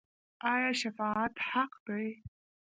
آیا شفاعت حق دی؟